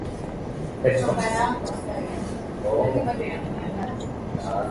Viazi vitamu vinaweza Kupikwa kwenye mchuzi